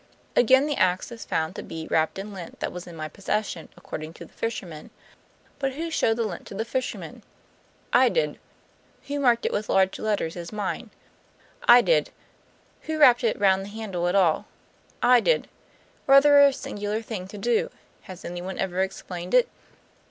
Again, the ax is found to be wrapped in lint that was in my possession, according to the fisherman. But who showed the lint to the fisherman? I did. Who marked it with large letters as mine? I did. Who wrapped it round the handle at all? I did. Rather a singular thing to do; has anyone ever explained it?"